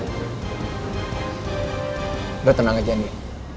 udah tenang aja ndiny